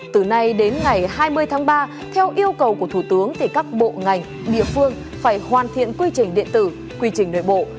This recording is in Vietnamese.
từ nay đến ngày hai mươi tháng ba theo yêu cầu của thủ tướng thì các bộ ngành địa phương phải hoàn thiện quy trình điện tử quy trình nội bộ